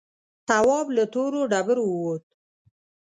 تواب له تورو ډبرو ووت.